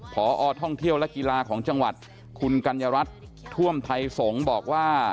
พอท่องเที่ยวและกีฬาของจังหวัดคุณกัญญารัฐท่วมไทยสงฆ์บอกว่า